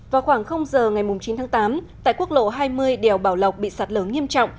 vào khoảng giờ ngày chín tháng tám tại quốc lộ hai mươi đèo bảo lộc bị sạt lở nghiêm trọng